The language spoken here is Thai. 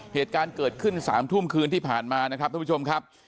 เหตุการณ์เกิดขึ้น๓ทุ่มคืนที่ผ่านมานะครับท่านผู้ชมครับ